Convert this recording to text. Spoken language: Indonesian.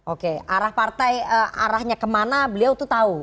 oke arah partai arahnya kemana beliau itu tahu